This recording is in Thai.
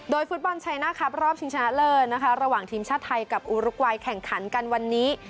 ฟุตบอลชัยหน้าครับรอบชิงชนะเลิศนะคะระหว่างทีมชาติไทยกับอูรุกวัยแข่งขันกันวันนี้